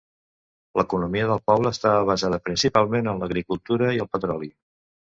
L'economia del poble estava basada principalment en l'agricultura i el petroli.